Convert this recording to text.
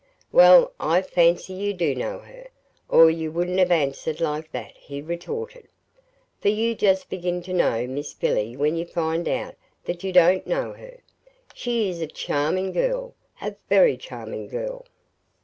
"Well, I fancy you DO know her, or you wouldn't have answered like that," he retorted. "For you just begin to know Miss Billy when you find out that you DON'T know her. She is a charming girl a very charming girl."